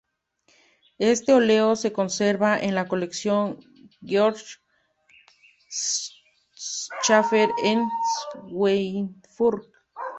Este óleo se conserva en la Colección Georg Schäfer en Schweinfurt.